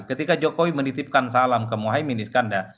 ketika jokowi menitipkan salam ke muhai minis kanda